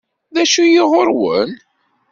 D acu-yi ɣur-wen?